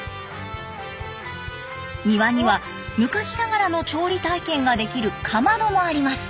庭には昔ながらの調理体験ができるかまどもあります。